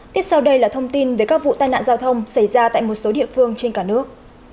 tiếp sau đây là thông tin về các vụ tai nạn giao thông xảy ra tại một số địa phương trên cả nước